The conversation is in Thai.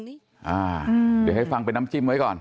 เดี๋ยวให้ฟังเป็นน้ำจิ้มไว้ก่อน